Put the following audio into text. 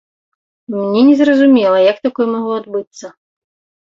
Мне незразумела, як такое магло адбыцца.